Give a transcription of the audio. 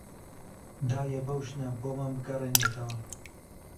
داویە بەو ژنە بۆمان بگەڕێنێتەوە